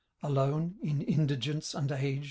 Alone, in indigence and age.